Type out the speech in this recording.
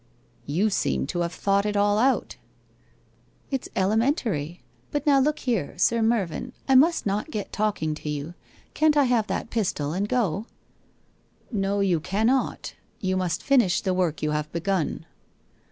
'' You seem to have thought it all out ?' WHITE ROSE OF WEARY LEAF 23 ' It's elementary. But now look here, Sir Mervyn, I must not get talking to you — can't I have that pistol and go ?'* No you cannot. You must finish the work you have begun.'